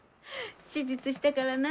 手術したからな。